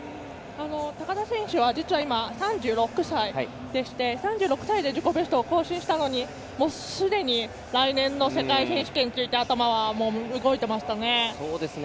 高田選手は実は今、３６歳でして３６歳で自己ベストを更新したのにすでに来年の世界選手権と、頭は動いていましたね。